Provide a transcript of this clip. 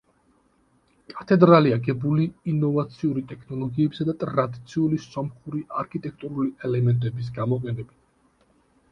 კათედრალი აგებული ინოვაციური ტექნოლოგიებისა და ტრადიციული სომხური არქიტექტურული ელემენტების გამოყენებით.